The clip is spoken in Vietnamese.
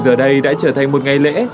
giờ đây đã trở thành một ngày lễ